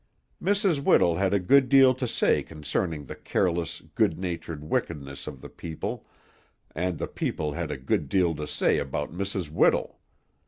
Mrs. Whittle had a good deal to say concerning the careless, good natured wickedness of the people, and the people had a good deal to say about Mrs. Whittle.